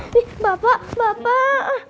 ini bapak bapak